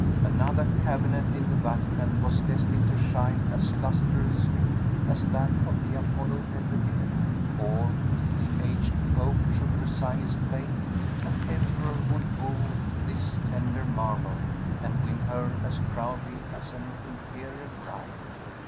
Another cabinet in the Vatican was destined to shine as lustrously as that of the Apollo Belvedere; or, if the aged pope should resign his claim, an emperor would woo this tender marble, and win her as proudly as an imperial bride!